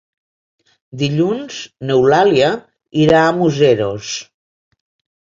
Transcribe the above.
Dilluns n'Eulàlia irà a Museros.